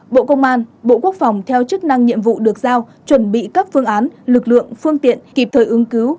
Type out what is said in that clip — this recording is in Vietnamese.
bộ công an bộ quốc phòng theo chức năng nhiệm vụ được giao chuẩn bị các phương án lực lượng phương tiện kịp thời ứng cứu